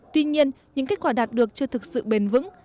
tuy nhiên những kết quả đạt được chưa thực sự bền vững